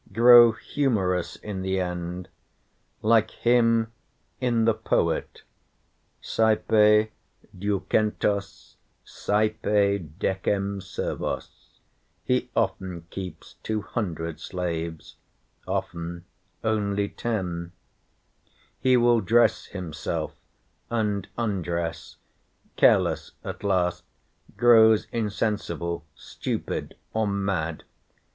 grow humorous in the end: like him in the Poet, sæpe ducentos sæpe decem servos [he often keeps two hundred slaves, often only ten], he will dress himself, and undress, careless at last, grows insensible, stupid or mad.